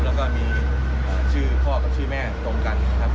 แล้วก็มีใช้ชื่อพ่อการใช้แม่ตรงกันนะครับ